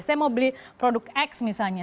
saya mau beli produk x misalnya